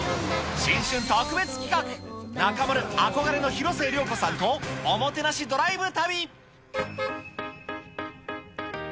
新春特別企画、中丸、憧れの広末涼子さんとおもてなしドライブ旅。